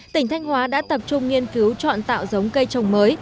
tỉnh thanh hóa đã tập trung nghiên cứu chọn tạo giống cây trồng mới